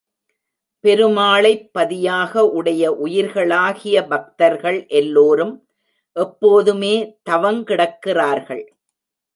பெருமாளைப் பதியாக உடைய உயிர்களாகிய பக்தர்கள் எல்லோரும் எப்போதுமே தவங்கிடக்கிறார்கள்.